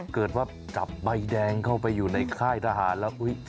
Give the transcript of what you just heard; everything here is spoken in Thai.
เกิดว่าจับใบแดงเข้าไปอยู่ในค่ายทหารแล้ว